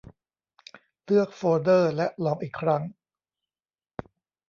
เลือกโฟลเดอร์และลองอีกครั้ง